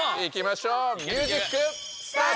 いきましょう。